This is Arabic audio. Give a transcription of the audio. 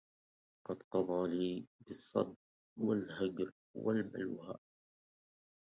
قد قضى لي بالصد والهجر والبلوي